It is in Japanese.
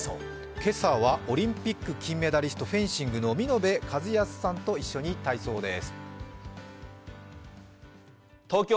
今朝はオリンピック金メダリスト、フェンシングの見延和靖さんと一緒に体操です。